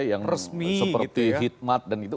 yang seperti hitmat dan gitu